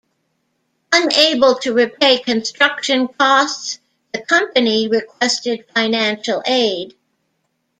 Unable to repay construction costs, the company requested financial aid.